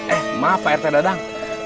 eh maaf pak rt dodang